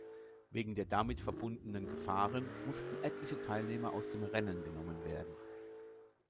Wegen der damit verbundenen Gefahren mussten etliche Teilnehmer aus dem Rennen genommen werden.